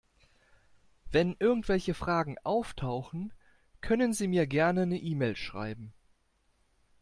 Wenn irgendwelche Fragen auftauchen, können Sie mir gern 'ne E-Mail schreiben.